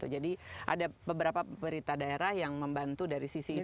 jadi ada beberapa pemerintah daerah yang membantu dari sisi itu